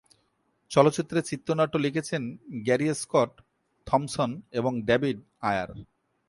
চলচ্চিত্রের চিত্রনাট্য লিখেছেন গ্যারি স্কট থম্পসন এবং ডেভিড আয়ার।